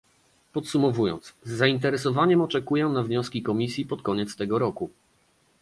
Podsumowując, z zainteresowaniem oczekuję na wnioski Komisji pod koniec tego roku